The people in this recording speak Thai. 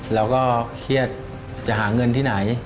เราก็เครียดจะหาเงินที่ไหน